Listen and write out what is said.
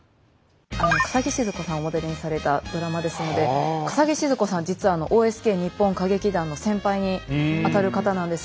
笠置シヅ子さんをモデルにされたドラマですので笠置シヅ子さん実はＯＳＫ日本歌劇団の先輩にあたる方なんです。